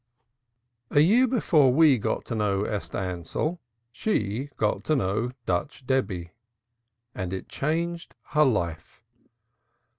A year before we got to know Esther Ansell she got to know Dutch Debby and it changed her life.